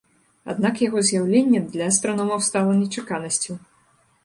Аднак яго з'яўленне для астраномаў стала нечаканасцю.